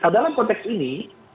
dalam konteks ini